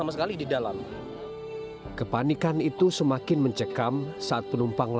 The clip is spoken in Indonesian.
miring ke kanan